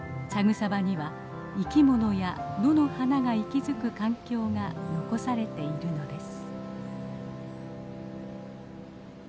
草場には生きものや野の花が息づく環境が残されているのです。